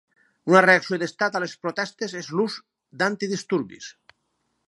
Una reacció d'estat a les protestes és l'ús d'antidisturbis.